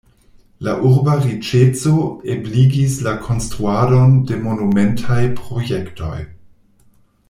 La urba riĉeco ebligis la konstruadon de monumentaj projektoj.